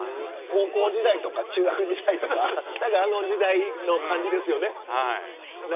高校時代とか中学時代とかあの時代の感じですよね。